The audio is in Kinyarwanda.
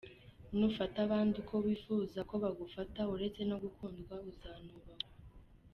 Nufata abandi uko wifuza ko bagufata uretse no gukundwa uzanubahwa.